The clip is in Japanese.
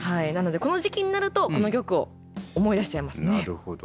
なのでこの時期になるとこの曲を思い出しちゃいますね。